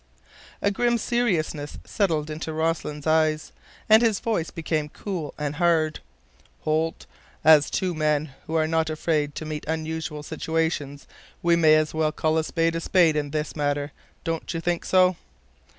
A grim seriousness settled in Rossland's eyes, and his voice became cool and hard. "Holt, as two men who are not afraid to meet unusual situations, we may as well call a spade a spade in this matter, don't you think so?"